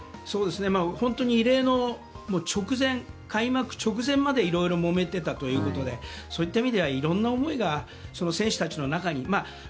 本当に異例の開幕直前までいろいろもめてたということでそういった意味ではいろんな思いが選手たちの中に。